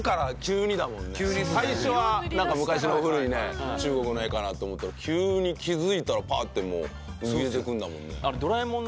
最初は昔の古いね中国の絵かなと思ったら急に気づいたらパッて浮き出てくるんだもんね。